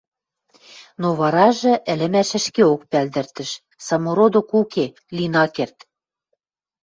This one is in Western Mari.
Но варажы ӹлӹмӓш ӹшкеок пӓлдӹртӹш: самородок уке, лин ак керд;